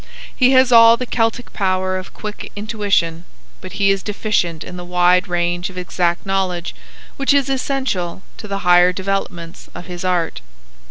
He has all the Celtic power of quick intuition, but he is deficient in the wide range of exact knowledge which is essential to the higher developments of his art.